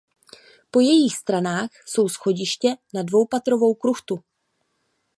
Po jejích stranách jsou schodiště na dvoupatrovou kruchtu.